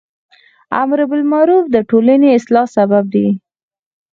امر بالمعروف د ټولنی اصلاح سبب دی.